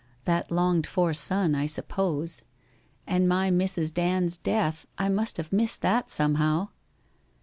That longed for son, I suppose! And my Mrs. Band's death — I must have missed that somehow